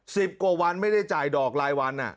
สิบกว่าวันไม่ได้จ่ายดอกรายวัน